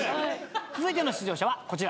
続いての出場者はこちら。